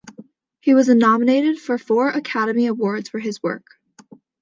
He was nominated for four Academy Awards for his work.